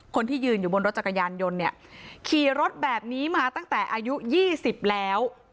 คนที่ยืนอยู่บนรถจักรยานยนต์เนี่ยขี่รถแบบนี้มาตั้งแต่อายุ๒๐แล้ว